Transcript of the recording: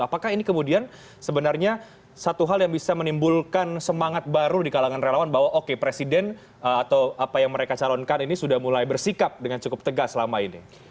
apakah ini kemudian sebenarnya satu hal yang bisa menimbulkan semangat baru di kalangan relawan bahwa oke presiden atau apa yang mereka calonkan ini sudah mulai bersikap dengan cukup tegas selama ini